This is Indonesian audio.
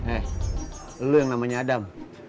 eh lu yang namanya adam